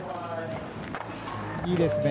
いいですね